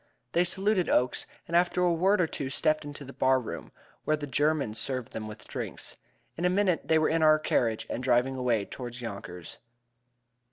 They saluted Oakes, and after a word or two stepped into the bar room, where the German served them with drinks. In a minute they were in our carriage and driving away toward Yonkers.